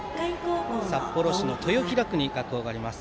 札幌市の豊平区に学校があります。